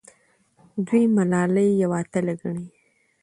دوی ملالۍ یوه اتله ګڼي.